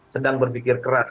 sedang berpikir keras